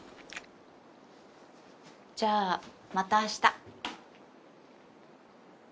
じゃあまた明日。